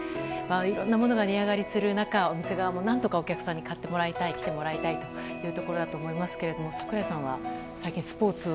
いろいろなものが値上がりする中お店側も何とかお客さんに買ってもらいたい来てもらいたいというところだと思いますが櫻井さんは最近、スポーツは？